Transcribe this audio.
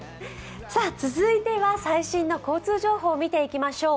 続いては最新の交通情報を見ていきましょう。